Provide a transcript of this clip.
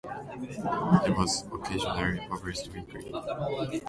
It was occasionally published weekly.